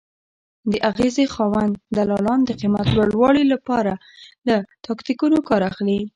د اغېزې خاوند دلالان د قیمت لوړوالي لپاره له تاکتیکونو کار اخلي.